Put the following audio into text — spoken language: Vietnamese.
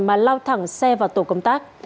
mà lao thẳng xe vào tổ công tác